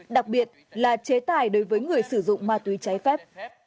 đặc biệt là chế tài đối với người sử dụng ma túy cháy phép